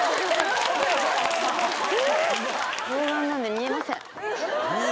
老眼なんで見えません